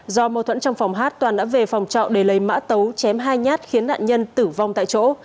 do mâu thuẫn trong phòng hát toàn đã về phòng trọ để lấy mã tấu chém hai nhát khiến nạn nhân tử vong tại chỗ